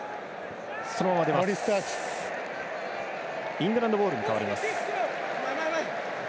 イングランドボールに変わります。